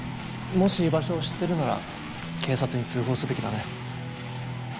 もし居場所を知ってるなら警察に通報すべきだね